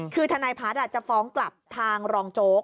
คือทนายพัฒน์จะฟ้องกลับทางรองโจ๊ก